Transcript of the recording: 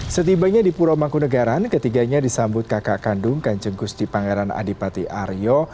setibanya di pura mangkunagaran ketiganya disambut kakak kandung kanjeng gusti pangeran adipati aryo